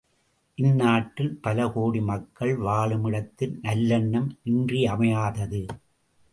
இந்நாட்டில் பலகோடி மக்கள் வாழுமிடத்தில் நல்லெண்ணம் இன்றியமையாதது.